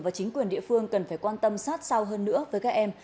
và chính quyền địa phương cần phải quan tâm sát sao hơn nữa với các em